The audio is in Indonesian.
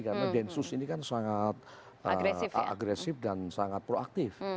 karena densus ini kan sangat agresif dan sangat proaktif